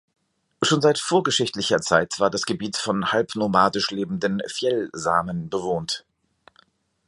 Schon seit vorgeschichtlicher Zeit war das Gebiet von halbnomadisch lebenden Fjäll-Samen bewohnt.